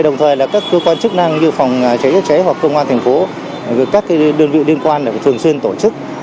đồng thời là các cơ quan chức năng như phòng cháy cháy hoặc công an thành phố các đơn vị liên quan thường xuyên tổ chức